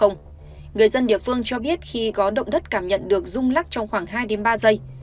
người dân địa phương cho biết khi có động đất cảm nhận được rung lắc trong khoảng hai ba giây